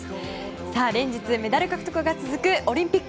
連日メダル獲得が続くオリンピック。